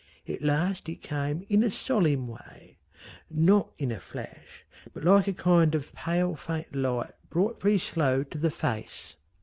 At last it came in a solemn way not in a flash but like a kind of pale faint light brought very slow to the face.